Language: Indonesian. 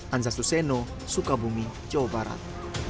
anzastu seno sukabumi jawa barat